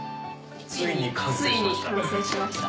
ついに完成しました。